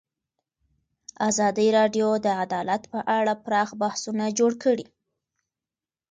ازادي راډیو د عدالت په اړه پراخ بحثونه جوړ کړي.